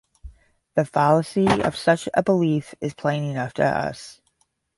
The fallacy of such a belief is plain enough to us.